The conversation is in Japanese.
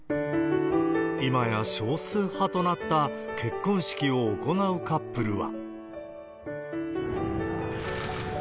今や少数派となった結婚式を行うカップルは。